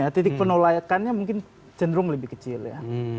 tidak penolakannya mungkin cenderung lebih kecil ya